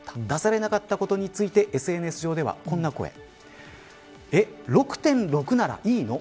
出されなかったことについてＳＮＳ上ではこんな声。